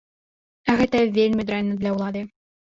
А гэта вельмі дрэнна для ўлады.